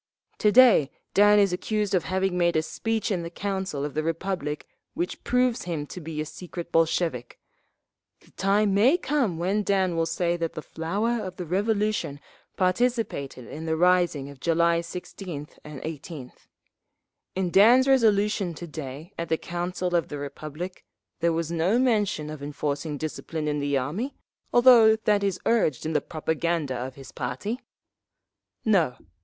"To day Dan is accused of having made a speech in the Council of the Republic which proves him to be a secret Bolshevik…. The time may come when Dan will say that the flower of the Revolution participated in the rising of July 16th and 18th…. In Dan's resolution to day at the Council of the Republic there was no mention of enforcing discipline in the army, although that is urged in the propaganda of his party…. "No.